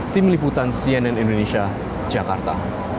tim liputan cnn indonesia jakarta